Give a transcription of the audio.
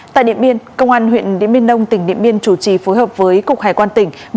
tại điện biên công an huyện điện biên đông tỉnh điện biên chủ trì phối hợp với cục hải quan tỉnh